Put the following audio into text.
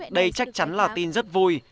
đây chắc chắn là tin rất vui